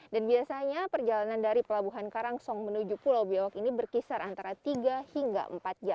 dan biasanya perjalanan dari pelabuhan karangsong menuju pulau bubiyawak ini berkisar antara tiga hingga empat jam